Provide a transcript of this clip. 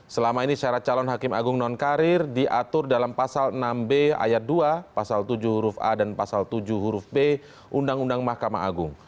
selama ini syarat calon hakim agung nonkarir diatur dalam pasal enam b ayat dua pasal tujuh huruf a dan pasal tujuh huruf b undang undang mahkamah agung